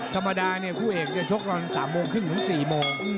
ธรรมดาเนี่ยคู่เอกจะชกตอน๓โมงครึ่งถึง๔โมง